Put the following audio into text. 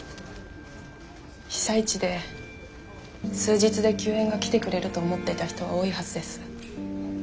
被災地で数日で救援が来てくれると思っていた人は多いはずです。